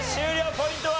ポイントは？